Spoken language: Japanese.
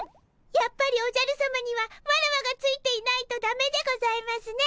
やっぱりおじゃるさまにはワラワがついていないとだめでございますね。